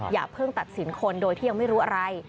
อย่าเพิ่งตัดสินคนโดยที่ยังไม่รู้อะไร